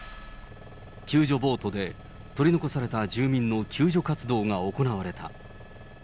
救助ボートで取り残された住民の救助活動が行われた。